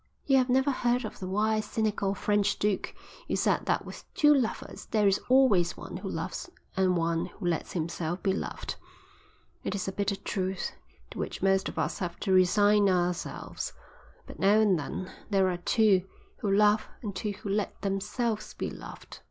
You have never heard of the wise, cynical French duke who said that with two lovers there is always one who loves and one who lets himself be loved; it is a bitter truth to which most of us have to resign ourselves; but now and then there are two who love and two who let themselves be loved.